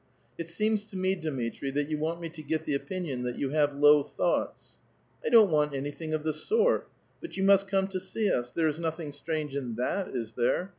'* It seems to me, Dmitri, that you want me to get the opin ion that you have low thoughts." " I don't want anything of the sort. But yon must come to see us. There is nothing strange in that, is there?